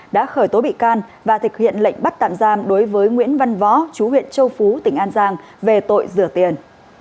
đã khởi tố bị can và thực hiện lệnh bắt tạm giam đối với nguyễn văn võ chú huyện châu phú tỉnh an giang về tội rửa tiền